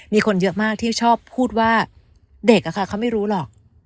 มีคนเยอะมากที่ชอบพูดว่าเด็กเขาไม่รู้หรอก